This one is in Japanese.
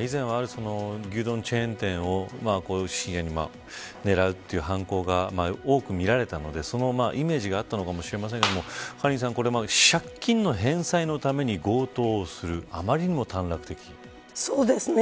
以前は牛丼チェーン店を深夜に狙うという犯行が多く見られたのでそのイメージがあったのかもしれませんけれどもカリンさん、借金の返済のために強盗をするそうですね。